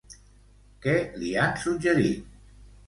Què li han suggerit?